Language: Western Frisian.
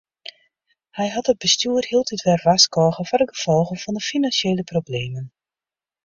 Hy hat it bestjoer hieltyd wer warskôge foar de gefolgen fan de finansjele problemen.